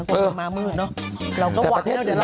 เกิดจะมามืดเนอะเราก็วัง